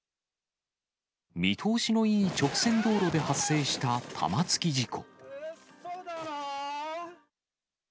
見通しのいい直線道路で発生した玉突き事故。